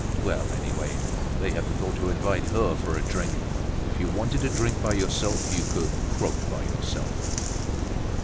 Well, anyway, they hadn't thought to invite her for a drink. If you wanted to drink by yourself, you could croak by yourself.